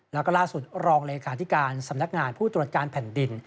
แล้วก็ล่าสุดรองเลขาธิการสำนักงานผู้ตรวจการแผ่นดิน